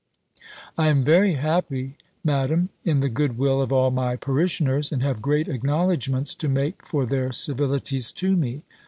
"I am very happy. Madam, in the good will of all my parishioners, and have great acknowledgments to make for their civilities to me."